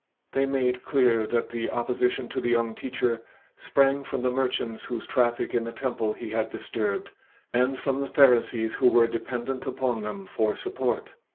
They made clear that the opposition to the young Teacher sprang from the merchants whose traffic in the temple He had disturbed and from the Pharisees who were dependent upon them for support.